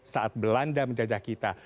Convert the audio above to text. saat belanda menjajah kita